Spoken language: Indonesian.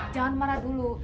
jangan marah dulu